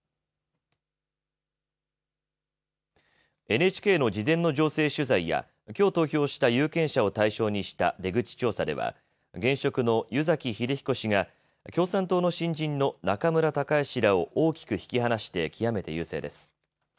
ＮＨＫの事前の情勢取材やきょう投票した有権者を対象にした出口調査では現職の湯崎英彦氏が共産党の新人の中村孝江氏らを大きく引き離して極めて優勢です。